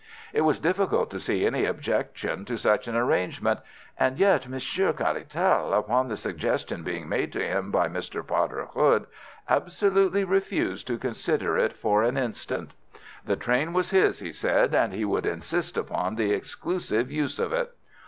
It was difficult to see any objection to such an arrangement, and yet Monsieur Caratal, upon the suggestion being made to him by Mr. Potter Hood, absolutely refused to consider it for an instant. The train was his, he said, and he would insist upon the exclusive use of it.